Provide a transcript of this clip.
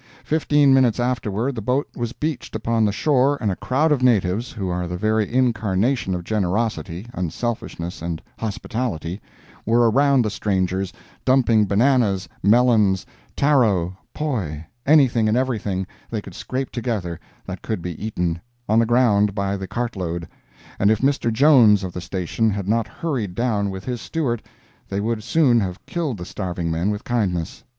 Fifteen minutes afterward the boat was beached upon the shore and a crowd of natives (who are the very incarnation of generosity, unselfishness and hospitality) were around the strangers dumping bananas, melons, taro, poi—anything and everything they could scrape together that could be eaten—on the ground by the cart load; and if Mr. Jones, of the station, had not hurried down with his steward, they would soon have killed the starving men with kindness.